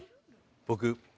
僕。